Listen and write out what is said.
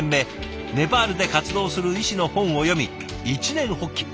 ネパールで活動する医師の本を読み一念発起。